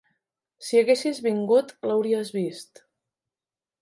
Si haguessis vingut, l'hauries vist.